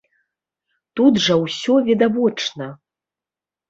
Тут жа ўсё відавочна.